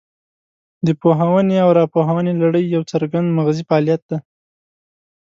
د پوهونې او راپوهونې لړۍ یو څرګند مغزي فعالیت دی